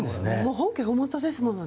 本家本元ですものね。